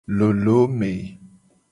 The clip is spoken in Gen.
Lolome.